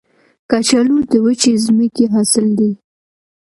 کچالو د وچې ځمکې حاصل دی